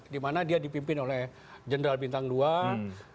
dimana dia dipimpin oleh general bintang dua